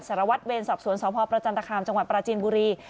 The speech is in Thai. สารวัตรเวรสอบสวนสพประจันตคามจังหวัดปราจีนบุรี